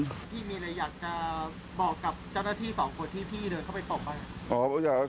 พี่มีอะไรอยากจะบอกกับเจ้าหน้าที่สองคนที่พี่เดินเข้าไปตบไหม